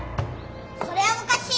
それはおかしい！